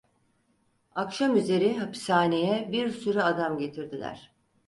Akşamüzeri hapishaneye bir sürü adam getirdiler.